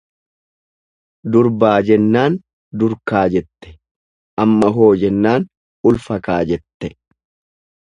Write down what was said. Durbaa jennaan durkaa jette, amma hoo jennaan ulfa kaa, jette.